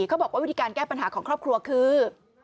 เขาบอกว่าวิธีการแก้ปัญหาของครอบครัวคือ